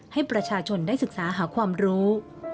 ให้ประชาชนได้ศึกษาหาความรู้